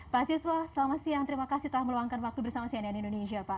pak siswa selamat siang terima kasih telah meluangkan waktu bersama saya di indonesia